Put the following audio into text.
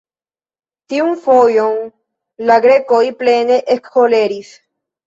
Tiun fojon, la Grekoj plene ekkoleris.